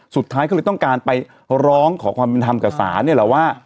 สุดท้ายก็เลยต้องการไปร้องขอความเป็นธรรมกับศาลเนี่ยแหละว่า